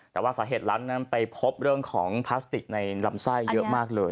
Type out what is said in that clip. แต่ว่าสาเหตุหลังนั้นไปพบเรื่องของพลาสติกในลำไส้เยอะมากเลย